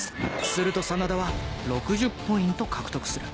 すると真田は６０ポイント獲得する。